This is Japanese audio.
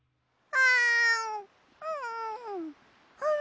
あん？